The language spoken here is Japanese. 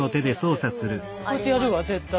こうやってやるわ絶対。